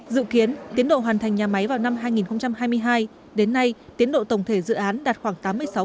dự kiến tiến độ hoàn thành nhà máy vào năm hai nghìn hai mươi hai đến nay tiến độ tổng thể dự án đạt khoảng tám mươi sáu